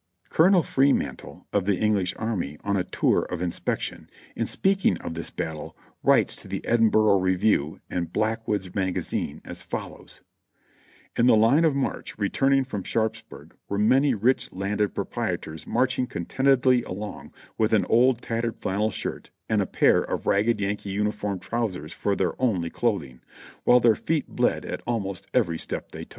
Colonel Freemantle, of the English Army, on a tour of inspec tion, in speaking of this battle, writes to the Bdinhnrgh Rez'iew and Blackwood's Magazine as follows : "In the line of march, returning fi:om Sharpsburg, were many rich landed proprietors marching contentedly along with an old tattered flannel shirt and a pair of ragged Yankee uniform trousers for their only clothing, while their feet bled at almost every step they took."